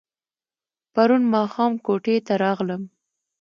پرون ماښام کوټې ته راغلم.